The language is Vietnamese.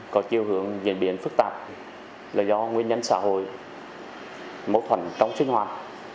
có chiêu hưởng diễn biến phức tạp là do nguyên nhân xã hội mâu thuẫn trong sinh hoạt